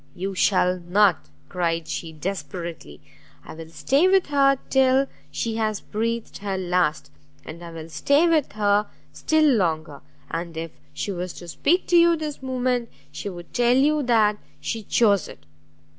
"You shall not!" cried she, desperately, "I will stay with her till she has breathed her last, and I will stay with her still longer! and if she was to speak to you this moment, she would tell you that she chose it.